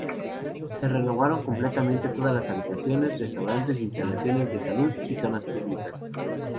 Se renovaron completamente todas las habitaciones, restaurantes, instalaciones de salud y zonas públicas.